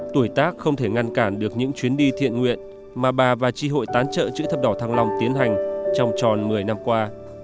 tuổi tác không thể ngăn cản được những chuyến đi thiện nguyện mà bà và tri hội tán trợ chữ thập đỏ thăng long tiến hành trong tròn một mươi năm qua